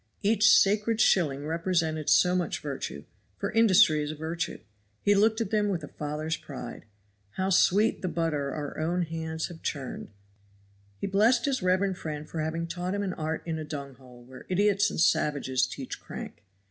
Each sacred shilling represented so much virtue; for industry is a virtue. He looked at them with a father's pride. How sweet the butter our own hands have churned! T. T. He blessed his reverend friend for having taught him an art in a dunghole where idiots and savages teach crank.